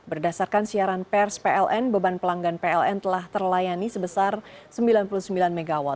berdasarkan siaran pers pln beban pelanggan pln telah terlayani sebesar sembilan puluh sembilan mw